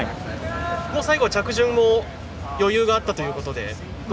最後は着順も余裕があったということで。